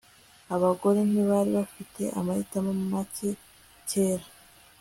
Abagore ntibari bafite amahitamo make kera